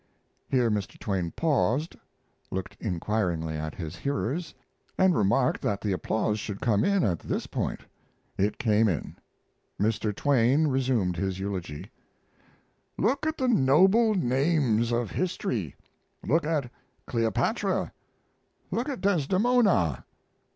[Here Mr. Twain paused, looked inquiringly at his hearers, and remarked that the applause should come in at this point. It came in. Mr. Twain resumed his eulogy.] Look at the noble names of history! Look at Cleopatra! Look at Desdemona!